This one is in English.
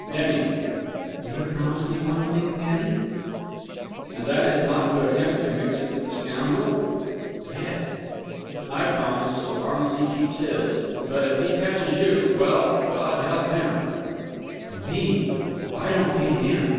"Denny." "Will you promise me one thing, Denny?" "And that is not to attempt to mix it with the scoundrel?" "Yes." "I promise so long as he keeps his. But if he touches you well, God help him!" "And me! Oh, I don't mean him.